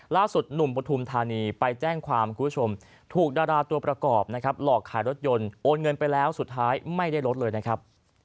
ล่าสุดหนุ่มปฐุมธานีไปแจ้งความคุณผู้ชมถูกดาราตัวประกอบนะครับหลอกขายรถยนต์โอนเงินไปแล้วสุดท้ายไม่ได้ลดเลยนะครับ